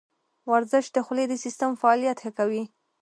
ورزش د خولې د سیستم فعالیت ښه کوي.